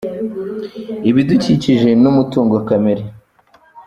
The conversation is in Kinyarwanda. ibidukikije n’umutungo kamere.